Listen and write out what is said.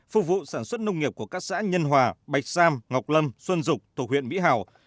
phục vụ sản xuất nông nghiệp của các xã nhân hòa bạch sam ngọc lâm xuân dục thuộc huyện mỹ hảo